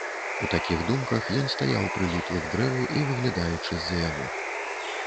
У такіх думках ён стаяў, прыліплы к дрэву і выглядаючы з-за яго.